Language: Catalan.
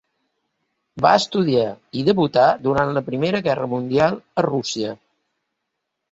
Va estudiar i debutar durant la Primera Guerra Mundial a Rússia.